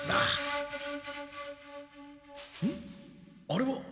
あれは。